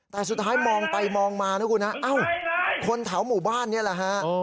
แต่สุดท้ายมองไปมองมานะคุณฮะเอ้าคนแถวหมู่บ้านนี่แหละฮะ